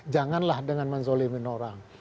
janganlah dengan menzolemin orang